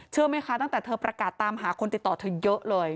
ไหมคะตั้งแต่เธอประกาศตามหาคนติดต่อเธอเยอะเลย